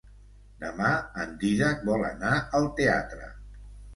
Demà en Dídac vol anar al teatre.